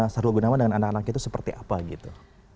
saharul gunawan dengan anak anaknya itu seperti apa gitu